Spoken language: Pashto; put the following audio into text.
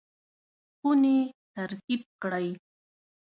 خونې ترتیب کړئ